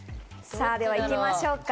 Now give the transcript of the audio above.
さでは行きましょうか。